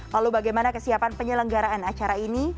lalu bagaimana kesiapan penyelenggaraan acara ini